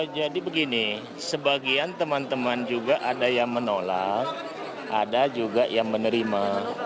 jadi begini sebagian teman teman juga ada yang menolak ada juga yang menerima